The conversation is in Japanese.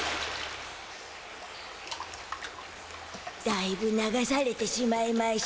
だいぶ流されてしまいましゅた。